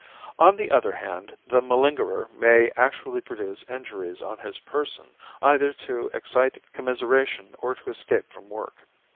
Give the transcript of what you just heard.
On the other hand, the malingerer may actually produce injuries on his person either to excite commiseration or to escape from work.